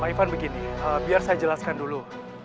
pak ivan begini biar saya jelaskan dulu